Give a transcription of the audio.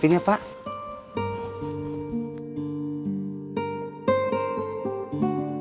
rasanya baru kemarin ceng